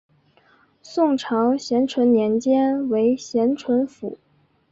宋朝咸淳年间为咸淳府。